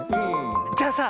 じゃあさ